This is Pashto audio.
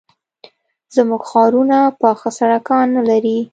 زموږ ښارونه پاخه سړکان نه لري.